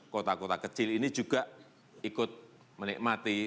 kota kota kecil ini juga ikut menikmati